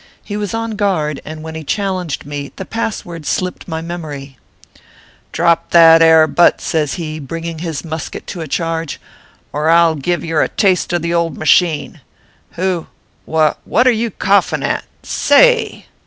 He was on guard ; and when he challenged me, the pass word slipped my memory. " Drop that ere butt," says he, bringing his mus ket to a charge, " or I ll give yer a taste of the old masheen. Who wha what are yer coughin at sa a ay